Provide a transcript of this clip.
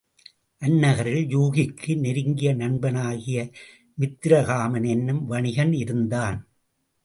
அந்நகரில் யூகிக்கு நெருங்கிய நண்பனாகிய மித்திரகாமன் என்னும் வணிகன் இருந்தான்.